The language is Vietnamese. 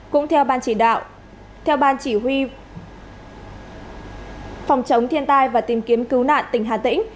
cũng theo ban chỉ huy phòng chống thiên tai và tìm kiếm cứu nạn tỉnh hà tĩnh